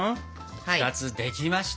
２つできました。